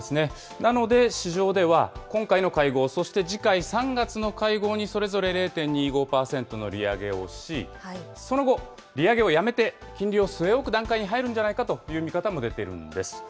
なので、市場では今回の会合、そして次回３月の会合にそれぞれ０．２５％の利上げをし、その後、利上げをやめて、金利を据え置く段階に入るんじゃないかという見方も出ているんです。